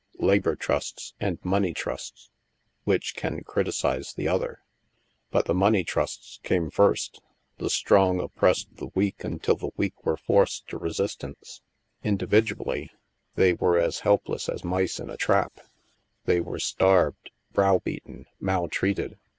Labor trusts and money trusts — which can criticise the other?" "But the money trusts came first. The strong oppressed the weak until the weak were forced to STILL WATERS 75 resistance. Individually, they were as helpless as mice in a trap. They were starved, browbeaten, maltreated.